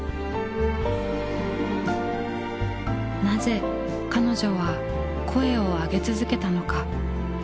なぜ彼女は声をあげ続けたのか。